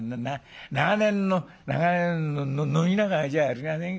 長年の長年の飲み仲間じゃありませんか。